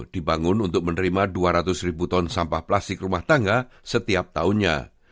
dibangun untuk menerima dua ratus ribu ton sampah plastik rumah tangga setiap tahunnya